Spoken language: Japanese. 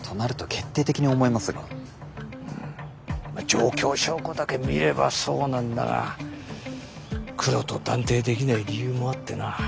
状況証拠だけ見ればそうなんだがクロと断定できない理由もあってな。